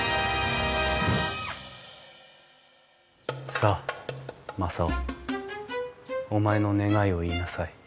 さあ正雄お前の願いを言いなさい。